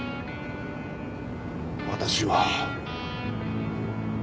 私は。